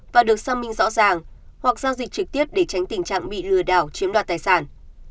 và được xác minh rõ ràng hoặc giao dịch trực tiếp để tránh tình trạng bị lừa đảo chiếm đoạt tài sản